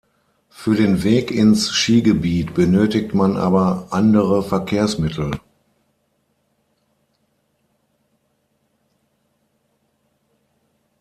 Für den Weg ins Skigebiet benötigt man aber andere Verkehrsmittel.